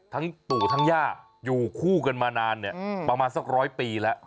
ปู่ทั้งย่าอยู่คู่กันมานานเนี่ยประมาณสักร้อยปีแล้ว